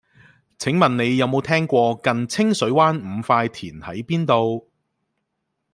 請問你有無聽過近清水灣五塊田喺邊度